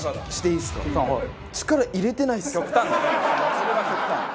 それは極端。